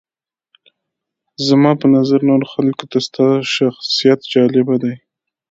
زما په نظر نورو خلکو ته ستا شخصیت جالبه دی.